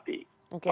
masih ada waktunya